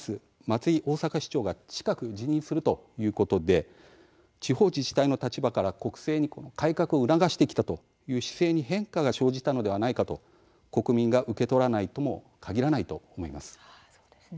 松井大阪市長が近く辞任するということで地方自治体の立場から、国政に改革を促してきたという姿勢に変化が生じたのではないかと国民が受け取らないともかぎらないと思います。